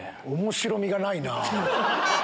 面白みがないな。